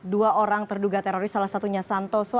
dua orang terduga teroris salah satunya santoso